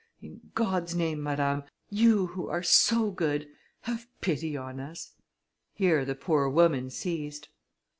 In God's name, madame, you, who are so good, have pity on us!" Here the poor woman ceased.